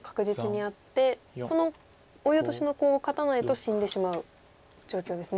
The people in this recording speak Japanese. このオイオトシのコウを勝たないと死んでしまう状況ですね。